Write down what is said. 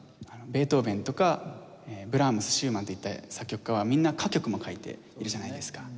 ベートーヴェンとかブラームスシューマンといった作曲家はみんな歌曲も書いているじゃないですか。